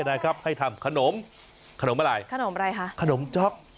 นะครับให้ทำขนมขนมอะไรขนมอะไรคะขนมจ๊อก